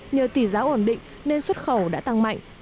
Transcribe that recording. nhờ tỷ giá ổn định nên xuất khẩu đã tăng mạnh